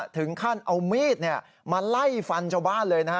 ถึงขั้นเอามีดมาไล่ฟันชาวบ้านเลยนะฮะ